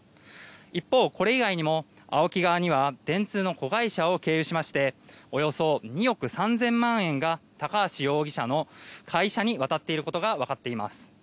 一方、これ以外にもＡＯＫＩ側には電通の子会社を経由しましておよそ２億３０００万円が高橋容疑者の会社に渡っていることが分かっています。